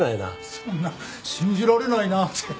そんな信じられないなって。